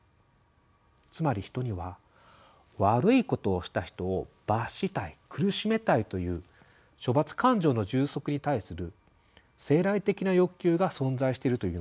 つまり人には「悪いことをした人を罰したい苦しめたい」という処罰感情の充足に対する生来的な欲求が存在しているというのです。